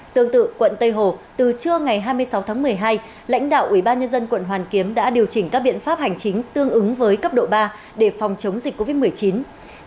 tương tự quận tây hồ từ trưa ngày hai mươi sáu tháng một mươi hai lãnh đạo ubnd quận hoàn kiếm đã điều chỉnh các biện pháp hành chính tương ứng với cấp độ ba để phòng chống dịch covid một mươi chín